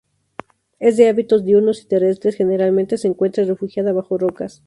Es de hábitos diurnos y terrestres, generalmente se encuentra refugiada bajo rocas.